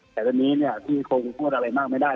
แต่วันนี้พี่คงพูดอะไรมากไม่ได้